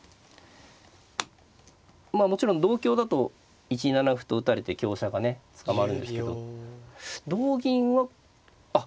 もちろん同香だと１七歩と打たれて香車がね捕まるんですけど同銀はあっだまされた。